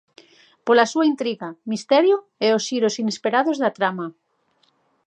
Pola súa intriga, misterio e os xiros inesperados da trama.